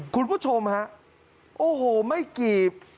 คุณผู้ชมฮะโอ้โหไม่กี่